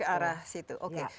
ke arah situ oke